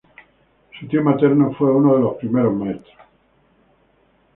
Su tío materno fue uno de los primeros maestros.